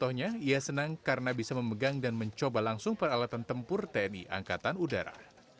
contohnya ia senang karena bisa memegang dan mencoba langsung peralatan tempur tni angkatan udara